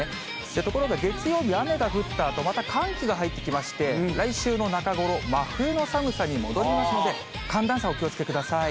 ところが、月曜日、雨が降ったあと、また寒気が入ってきまして、来週の中頃、真冬の寒さに戻りますので、寒暖差、お気をつけください。